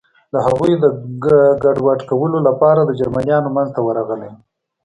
د هغوی د ګډوډ کولو لپاره د جرمنیانو منځ ته ورغلي و.